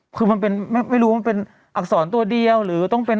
คือมันเป็นไม่รู้ว่ามันเป็นอักษรตัวเดียวหรือต้องเป็น